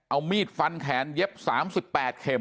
เอามีดฟันแขนเย็บ๓๘เข็ม